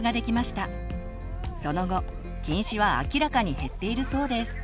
その後近視は明らかに減っているそうです。